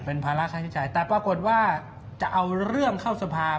เป็นภาระค่าใช้จ่ายแต่ปรากฏว่าจะเอาเรื่องเข้าสภา